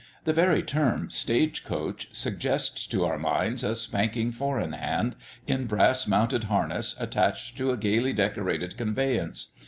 The very term, stage coach, suggests to our minds a spanking four in hand, in brass mounted harness, attached to a gayly decorated conveyance.